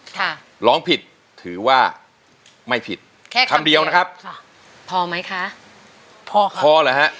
ค่ะร้องผิดถือว่าไม่ผิดแค่คำเดียวนะครับค่ะพอไหมคะพอค่ะพอเหรอฮะ